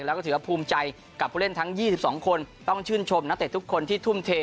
แล้วก็ถือว่าภูมิใจกับผู้เล่นทั้ง๒๒คนต้องชื่นชมนักเตะทุกคนที่ทุ่มเท